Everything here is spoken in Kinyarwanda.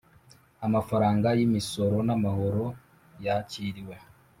Amafaranga y imisoro n amahoro yakiriwe